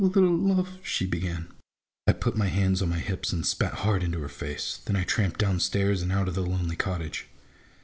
" My little love ," she began. I put my hands on my hips and spat hard into her face. Then I tramped down stairs and out of the lonely cottage.